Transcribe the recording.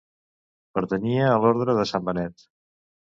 Pertanyia a l'orde de sant Benet.